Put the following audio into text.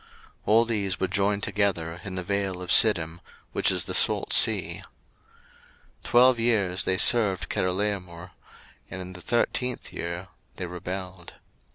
01:014:003 All these were joined together in the vale of Siddim, which is the salt sea. 01:014:004 Twelve years they served Chedorlaomer, and in the thirteenth year they rebelled.